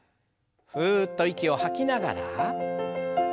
ふっと息を吐きながら。